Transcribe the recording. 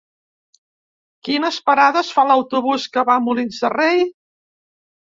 Quines parades fa l'autobús que va a Molins de Rei?